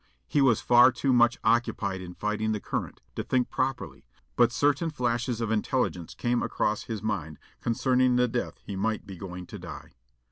He was far too much occupied in fighting the current to think properly, but certain flashes of intelligence came across his mind concerning the death he might be going to die.